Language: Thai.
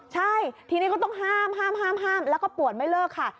ใช่ทีนี้ก็ต้องห้ามห้ามแล้วก็ปวดไม่เลิกค่ะ